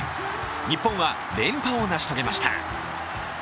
日本は連覇を成し遂げました。